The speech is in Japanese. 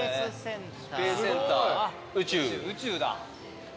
宇宙だ。